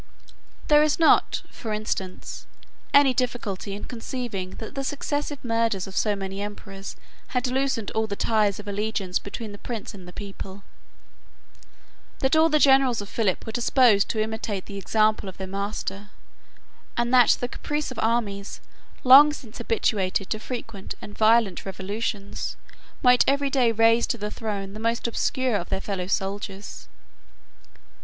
There is not, for instance, any difficulty in conceiving, that the successive murders of so many emperors had loosened all the ties of allegiance between the prince and people; that all the generals of Philip were disposed to imitate the example of their master; and that the caprice of armies, long since habituated to frequent and violent revolutions, might every day raise to the throne the most obscure of their fellow soldiers.